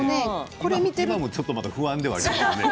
今もちょっと不安でもありますよ。